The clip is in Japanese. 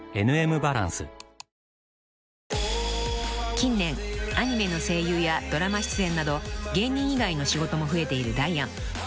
［近年アニメの声優やドラマ出演など芸人以外の仕事も増えているダイアン］